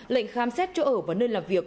lệnh khám xét chỗ ở và nơi làm việc